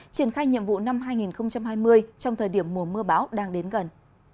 triển khai nhiệm vụ năm hai nghìn hai mươi trong thời điểm mùa mưa bão đang đến gần